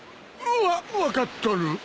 わっ分かっとる。